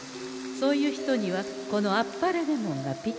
そういう人にはこの『天晴れレモン』がぴったり。